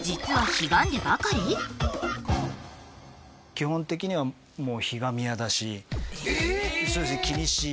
基本的にはもうえ！え！